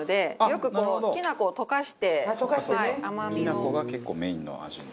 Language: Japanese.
きなこが結構メインの味になる？